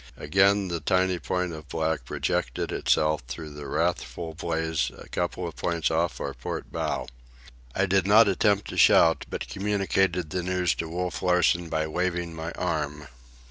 Again the tiny point of black projected itself through the wrathful blaze a couple of points off our port bow. I did not attempt to shout, but communicated the news to Wolf Larsen by waving my arm.